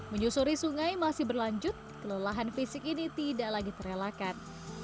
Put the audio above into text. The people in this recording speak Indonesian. menyusuri sungai masih berlanjut kelelahan fisik ini tidak lagi terelakkan